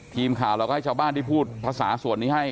ทีมข่าวเราก็ให้ชาวบ้านที่พูดภาษาส่วนนี้ให้